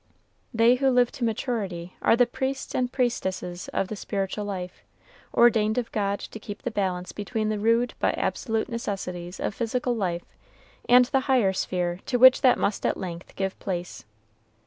They who live to maturity are the priests and priestesses of the spiritual life, ordained of God to keep the balance between the rude but absolute necessities of physical life and the higher sphere to which that must at length give place.